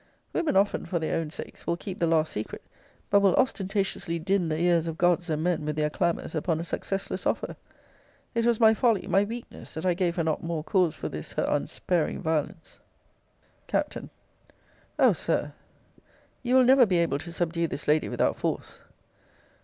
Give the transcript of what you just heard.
Women often, for their own sakes, will keep the last secret; but will ostentatiously din the ears of gods and men with their clamours upon a successless offer. It was my folly, my weakness, that I gave her not more cause for this her unsparing violence! Capt. O Sir, you will never be able to subdue this lady without force.